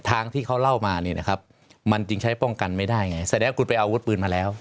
ทางที่เขาเล่ามาเนี่ยนะครับมันจึงใช้ป้องกันไม่ได้ไงแสดงว่าคุณไปอาวุธปืนมาแล้ว